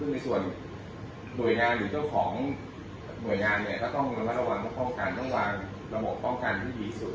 คือในส่วนหน่วยงานหรือเจ้าของหน่วยงานเนี่ยก็ต้องระมัดระวังต้องป้องกันต้องวางระบบป้องกันให้ดีที่สุด